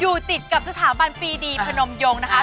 อยู่ติดกับสถาบันปีดีพนมยงนะคะ